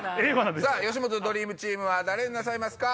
吉本ドリームチームは誰になさいますか？